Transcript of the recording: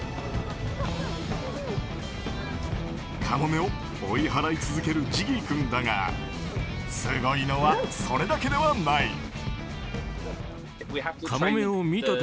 カモメを追い払い続けるジギー君だがすごいのはそれだけではない。